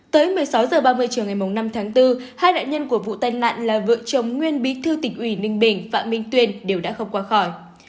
tới một mươi sáu h ba mươi chiều ngày năm tháng bốn hai nạn nhân của vụ tai nạn là vợ chồng nguyên bí thư tỉnh ủy ninh bình phạm minh tuyên đều đã không qua khỏi